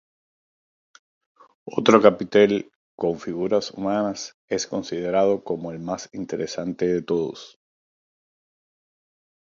Otro capitel con figuras humanas es considerado como el más interesante de todos.